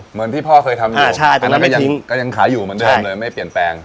เหมือนที่พ่อเคยทำอยู่ตอนนั้นก็ยังขายอยู่เหมือนเดิมเลยไม่เปลี่ยนแปลง